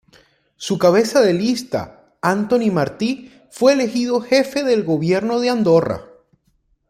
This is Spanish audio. Su cabeza de lista, Antoni Martí fue elegido jefe del Gobierno de Andorra.